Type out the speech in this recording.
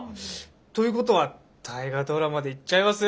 ということは大河ドラマでいっちゃいます？